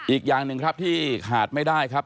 อีกอย่างหนึ่งครับที่ขาดไม่ได้ครับ